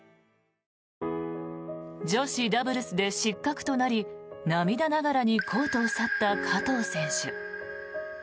女子ダブルスで失格となり涙ながらにコートを去った加藤選手。